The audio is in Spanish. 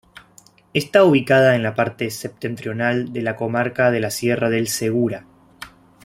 Está ubicada en la parte septentrional de la comarca de la Sierra del Segura.